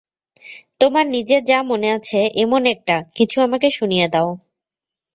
তোমার নিজের যা মনে আছে এমন একটা-কিছু আমাকে শুনিয়ে দাও।